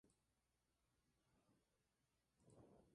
Consiguió el primer puesto gracias a su canción "La Voix".